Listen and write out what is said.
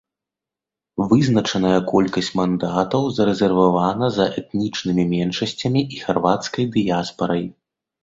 Вызначаная колькасць мандатаў зарэзервавана за этнічнымі меншасцямі і харвацкай дыяспарай.